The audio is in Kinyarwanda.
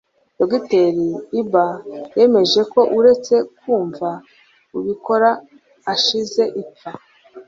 Dr Iba yemeje ko uretse kwumva ubikora ashize ipfa